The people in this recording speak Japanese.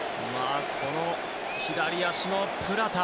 この左足のプラタ。